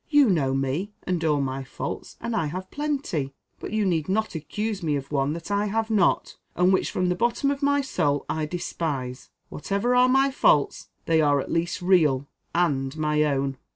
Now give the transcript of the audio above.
You know me, and all my faults, and I have plenty; but you need not accuse me of one that I have not, and which from the bottom of my soul I despise. Whatever are my faults, they are at least real, and my own."